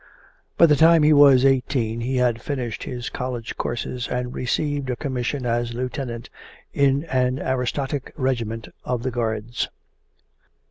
By the time he was eighteen he had finished his College course and received a commission as lieutenant in an aristocratic regiment of the Guards.